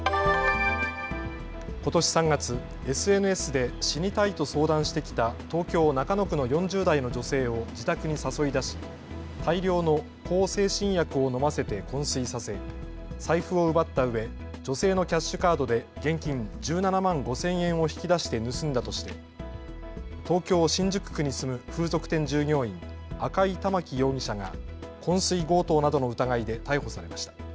ことし３月、ＳＮＳで死にたいと相談してきた東京中野区の４０代の女性を自宅に誘い出し大量の向精神薬を飲ませてこん睡させ、財布を奪ったうえ女性のキャッシュカードで現金１７万５０００円を引き出して盗んだとして東京新宿区に住む風俗店従業員、赤井環容疑者がこん睡強盗などの疑いで逮捕されました。